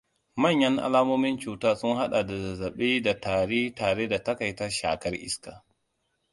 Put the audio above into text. Manyan alamomin cutar sun haɗa da zazzaɓi da tari tare da takaita shakar iska.